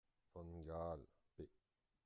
von Gaal, p.